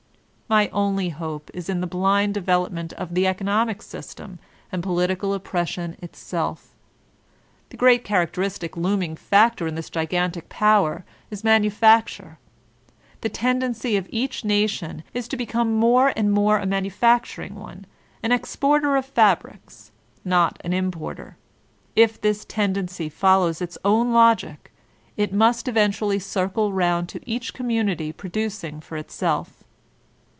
My only hope is in the blind development of the economic system and political oppre ss ion itself. The great characteristic looming factor in this gigantic power is Manufacture. The tendency of each nation is to become more and more a manufacturirijE; one, an exporter of fabrics, not an importer. If this ten dency follows its own logic, is must eventually circle round to each community producing for itself.